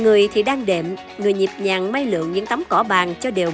người thì đang đệm người nhịp nhặn mấy lượng những tấm cỏ bàn cho đều có